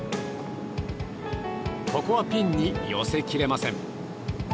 ここはピンに寄せきれません。